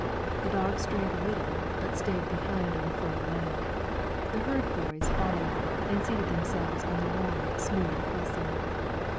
The dogs drank a little, but stayed behind on firm land; the herd boys followed, and seated themselves on the warm, smooth hill side.